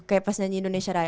kayak pas nyanyi indonesia raya